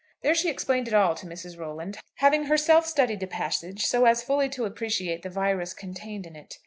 There she explained it all to Mrs. Rolland, having herself studied the passage so as fully to appreciate the virus contained in it.